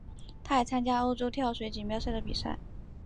他也参加欧洲跳水锦标赛的比赛。